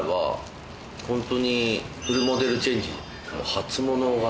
初物が。